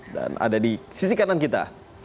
dan ada di sisi kanan kita